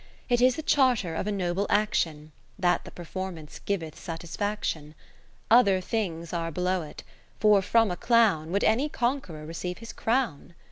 ^o It is the charter of a noble action, That the performance giveth satis faction. Other things are below 't ; for from a clown Would any Conqueror receive his crown